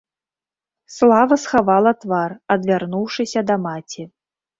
Слава схавала твар, адвярнуўшыся да маці.